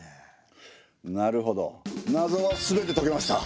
なるほどなぞは全て解けました。